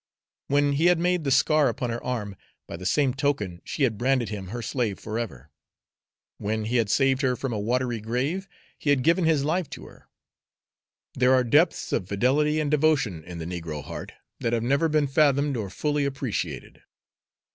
When he had made the scar upon her arm, by the same token she had branded him her slave forever; when he had saved her from a watery grave, he had given his life to her. There are depths of fidelity and devotion in the negro heart that have never been fathomed or fully appreciated.